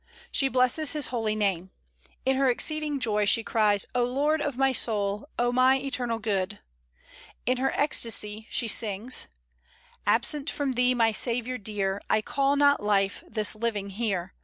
She blesses His holy name. In her exceeding joy she cries, "O Lord of my soul, O my eternal Good!" In her ecstasy she sings, "Absent from Thee, my Saviour dear! I call not life this living here.